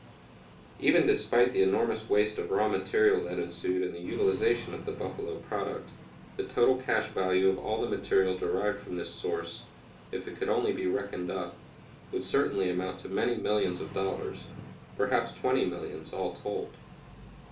Even despite the enormous waste of raw material that ensued in the utilization of the buffalo product, the total cash value of all the material derived from this source, if it could only be reckoned up, would certainly amount to many millions of dollars perhaps twenty millions, all told.